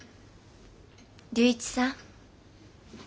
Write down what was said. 龍一さん。